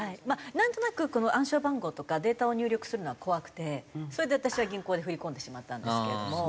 まあなんとなく暗証番号とかデータを入力するのは怖くてそれで私は銀行で振り込んでしまったんです。